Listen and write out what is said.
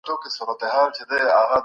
اسلام د زده کړې لپاره لارې هواروي.